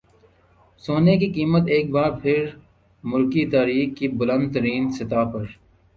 سونے کی قیمت ایک بار پھر ملکی تاریخ کی بلند ترین سطح پر